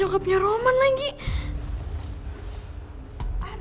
ya udah tapi ulan itu udah jenguk roman